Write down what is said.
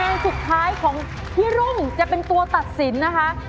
คะแนนสุดท้ายของฮิโร่หมุนจะเป็นตัวตัดสินนะคะ